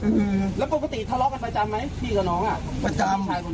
เอ้ยผมก็รักพี่ผม